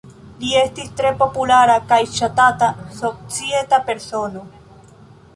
Li estis tre populara kaj ŝatata societa persono.